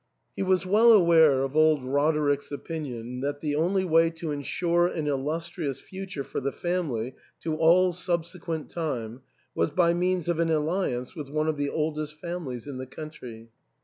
He was well aware of old Roderick's opinion that the only way to ensure an illustrious future for the family to all subsequent time was by means of an alli ance with one of the oldest families in the country.